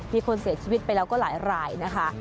มีคนเสียชีวิตไปแล้วก็หลายรายนะคะ